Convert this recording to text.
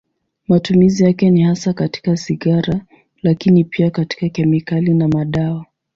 Matumizi yake ni hasa katika sigara, lakini pia katika kemikali na madawa.